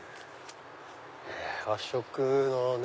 和食のね